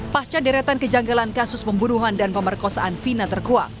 pasca deretan kejanggalan kasus pembunuhan dan pemerkosaan vina terkuak